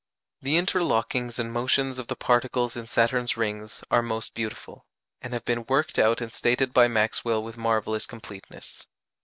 The interlockings and motions of the particles in Saturn's rings are most beautiful, and have been worked out and stated by Maxwell with marvellous completeness.